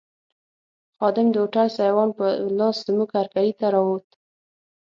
خادم د هوټل سایوان په لاس زموږ هرکلي ته راووت.